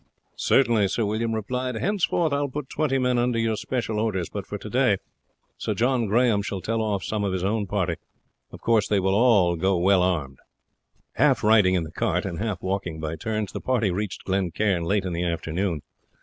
"Certainly," Sir William replied. "Henceforth I will put twenty men under your special orders, but for today Sir John Grahame shall tell off some of his own party. Of course they will go well armed." Half riding in the cart and half walking by turns, the party reached Glen Cairn late in the afternoon.